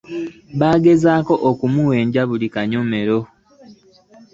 Bagezaako kumuwenja buli kanyomero.